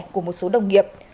của một số đồng nghiệp